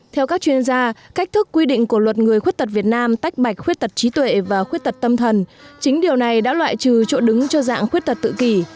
theo các chuyên gia cách thức quy định của luật người khuyết tật việt nam tách bạch khuyết tật trí tuệ và khuyết tật tâm thần chính điều này đã loại trừ chỗ đứng cho dạng khuyết tật tự kỷ